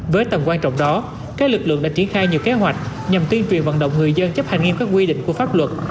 với tầm quan trọng đó các lực lượng đã triển khai nhiều kế hoạch nhằm tuyên truyền vận động người dân chấp hành nghiêm các quy định của pháp luật